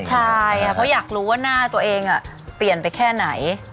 ใช่เพราะอยากรู้ว่าหน้าตัวเองเปลี่ยนไปแค่ไหน